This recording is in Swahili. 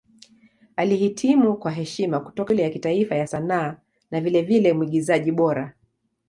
Alihitimu kwa heshima kutoka Shule ya Kitaifa ya Sanaa na vilevile Mwigizaji Bora.